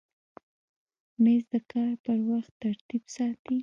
مېز د کار پر وخت ترتیب ساتي.